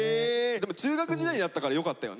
でも中学時代だったからよかったよね。